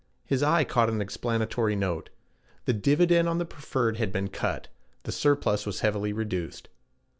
His eye caught an explanatory note: the dividend on the preferred had been cut; the surplus was heavily reduced.